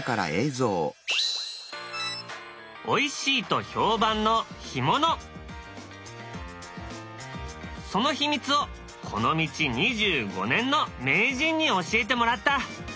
おいしいと評判のその秘密をこの道２５年の名人に教えてもらった。